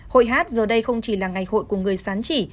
hội hát giờ đây không chỉ là ngày hội của người sán chỉ